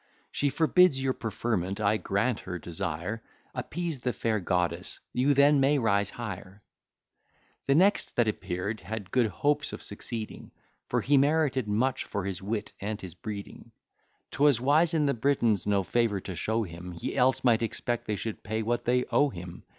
She forbids your preferment; I grant her desire. Appease the fair Goddess: you then may rise higher." The next that appear'd had good hopes of succeeding, For he merited much for his wit and his breeding. 'Twas wise in the Britons no favour to show him, He else might expect they should pay what they owe him.